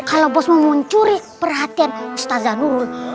kalau bos mau muncuri perhatian ustazanul